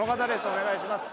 お願いします。